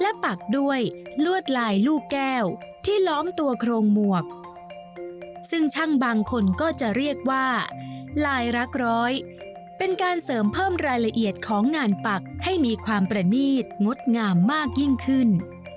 และปักด้วยลวดลายลูกแก้วที่ล้อมตัวโครงหมวกซึ่งช่างบางคนก็จะเรียกว่าลายรักร้อยเป็นการเสริมเพิ่มรายละเอียดของงานปักให้มีความประนีตงดงามมากยิ่งขึ้น